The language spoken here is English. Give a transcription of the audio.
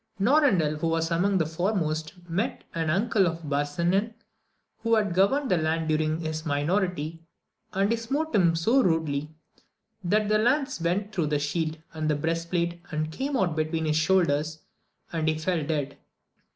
Norandel who was among the foremost met an uncle of Barsinan who had governed the land during his minority, and he smote him so rudely that the lance went through shield and breast plate and came out between his shoulders, and he fell dead.